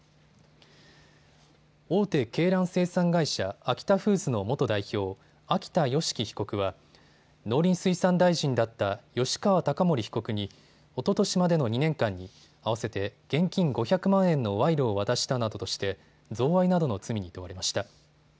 大手鶏卵生産会社、アキタフーズの元代表、秋田善祺被告は農林水産大臣だった吉川貴盛被告におととしまでの２年間に合わせて現金５００万円の賄賂を渡したなどとして贈賄などの罪に問われました。